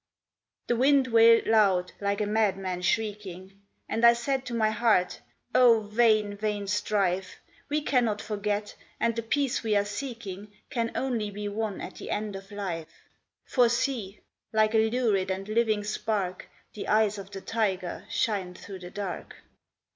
The wind wailed loud, like a madman shrieking, And I said to my heart, 'Oh! vain, vain strife; We cannot forget, and the peace we are seeking Can only be won at the end of life. For see! like a lurid and living spark The eyes of the tiger shine through the dark.'